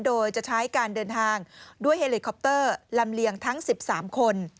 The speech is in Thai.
โดยจะใช้การเดินทางด้วยเฮลิคอปเตอร์ลำเลียงทั้ง๑๓คน